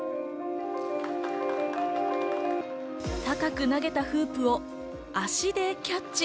高く投げたフープを足でキャッチ。